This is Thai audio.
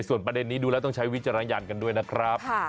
ส่วนประเด็นนี้ดูแล้วต้องใช้วิจารณญาณกันด้วยนะครับ